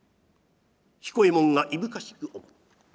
彦右衛門がいぶかしく思った。